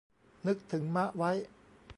นึกถึงมะไว้